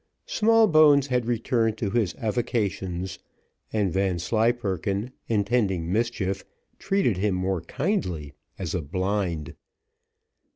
Smallbones had returned to his avocations, and Vanslyperken, intending mischief, treated him more kindly, as a blind.